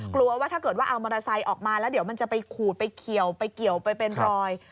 กลัวว่าถ้าเกิดว่าเอามอเตอร์ไซค์ออกมาแล้วเดี๋ยวมันจะไปขูดไปเขียวไปเกี่ยวไปเป็นรอย